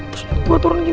terus gue turun gini